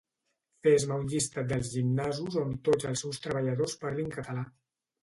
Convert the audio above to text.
Fes-me un llistat dels gimnasos on tots els seus treballadors parlin català